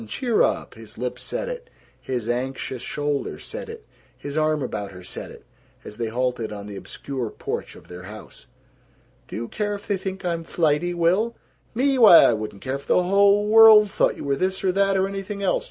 Cheer up!" His lips said it, his anxious shoulder said it, his arm about her said it, as they halted on the obscure porch of their house. "Do you care if they think I'm flighty, Will?" "Me? Why, I wouldn't care if the whole world thought you were this or that or anything else.